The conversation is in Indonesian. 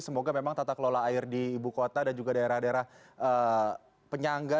semoga memang tata kelola air di ibu kota dan juga daerah daerah penyangga